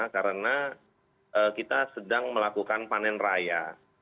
karena kita sedang melakukan panen raya